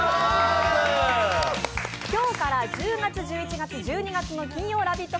今日から１０月１１月１２月の金曜ラヴィット！